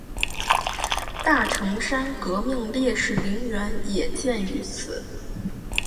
大城山革命烈士陵园也建于此。